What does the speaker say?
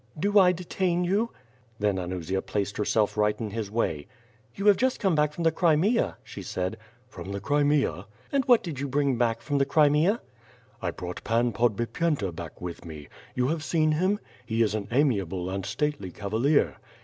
"Do I detain you?" Then Anusia placed herself right in his way. '*You have just come back from the Crimea?" she said. "From the Crimea?" "And what did you bring back from the Crimea?" "I brought Pan Podbipycnta back with me. You have seen him? He is an amiable and stately cavalier."